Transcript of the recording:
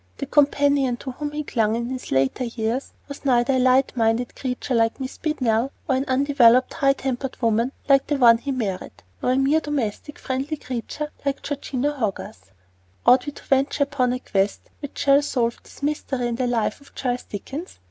The companion to whom he clung in his later years was neither a light minded creature like Miss Beadnell, nor an undeveloped, high tempered woman like the one he married, nor a mere domestic, friendly creature like Georgina Hogarth. Ought we to venture upon a quest which shall solve this mystery in the life of Charles Dickens!